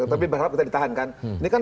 tapi berharap kita ditahankan ini kan